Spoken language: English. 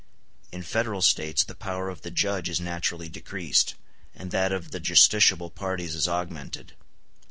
In federal States the power of the judge is naturally decreased, and that of the justiciable parties is augmented.